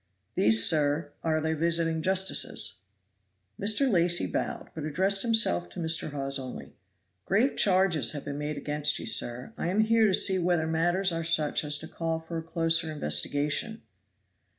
"These, sir, are the visiting justices." Mr. Lacy bowed, but addressed himself to Mr. Hawes only. "Grave charges have been made against you, sir. I am here to see whether matters are such as to call for a closer investigation."